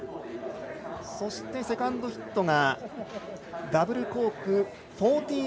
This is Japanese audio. そして、セカンドヒットがダブルコーク１４４０。